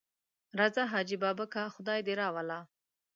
راځه حاجي بابکه خدای دې راوله.